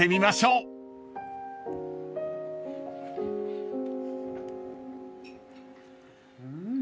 うん。